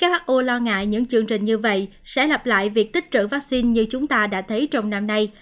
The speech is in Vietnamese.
who lo ngại những chương trình như vậy sẽ lặp lại việc tích trữ vaccine như chúng ta đã thấy trong năm nay